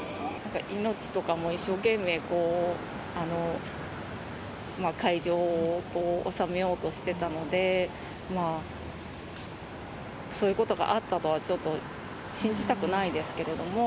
イノッチとかも一生懸命、会場を収めようとしてたので、そういうことがあったとはちょっと信じたくないですけれども。